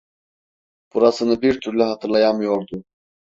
Burasını bir türlü hatırlayamıyordu.